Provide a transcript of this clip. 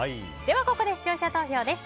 ここで視聴者投票です。